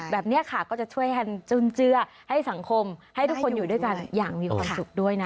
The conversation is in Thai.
แบบนี้ค่ะก็จะช่วยกันจุนเจือให้สังคมให้ทุกคนอยู่ด้วยกันอย่างมีความสุขด้วยนะ